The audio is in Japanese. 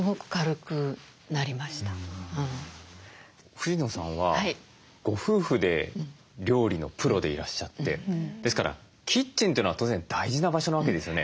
藤野さんはご夫婦で料理のプロでいらっしゃってですからキッチンというのは当然大事な場所なわけですよね。